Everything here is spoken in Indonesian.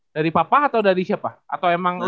dari papa atau dari siapa